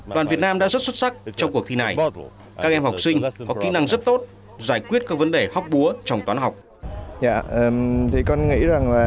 đoàn việt nam đã rất xuất sắc trong cuộc thi này